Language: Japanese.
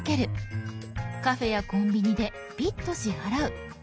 カフェやコンビニでピッと支払う。